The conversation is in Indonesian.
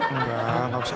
enggak gak usah